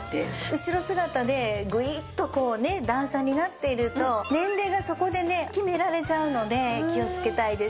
後ろ姿でグイーッとこうね段差になっていると年齢がそこでね決められちゃうので気をつけたいです。